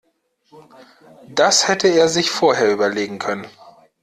Das hätte er sich vorher überlegen können.